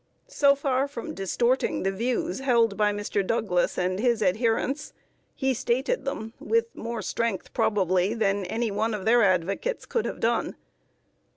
So far from distorting the views held by Mr. Douglas and his adherents, he stated them with more strength probably than any one of their advocates could have done.